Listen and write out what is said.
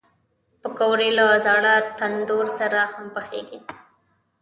پکورې له زاړه تندور سره هم پخېږي